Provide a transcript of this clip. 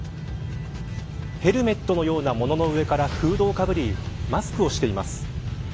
ヘルメットのようなものの上からフードをかぶりマスクをしています。